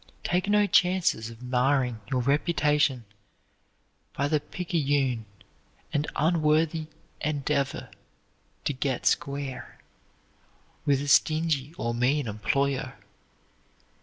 Take no chances of marring your reputation by the picayune and unworthy endeavor "to get square" with a stingy or mean employer.